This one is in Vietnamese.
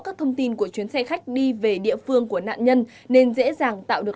các thông tin của chuyến xe khách đi về địa phương của nạn nhân nên dễ dàng tạo được